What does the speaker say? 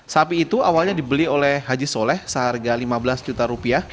sapi itu awalnya dibeli oleh haji soleh seharga lima belas juta rupiah